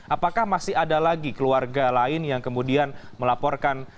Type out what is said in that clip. apakah masih ada lagi keluarga lain yang kemudian melaporkan